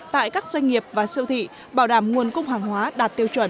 tại các doanh nghiệp và siêu thị bảo đảm nguồn cung hàng hóa đạt tiêu chuẩn